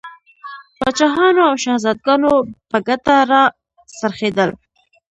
پاچاهانو او شهزادګانو په ګټه را څرخېدل.